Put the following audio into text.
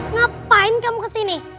ngapain kamu kesini